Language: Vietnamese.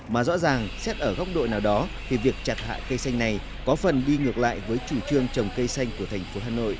mà rõ ràng xét ở góc độ nào đó thì việc chặt hạ cây xanh này có phần đi ngược lại với chủ trương trồng cây xanh của thành phố hà nội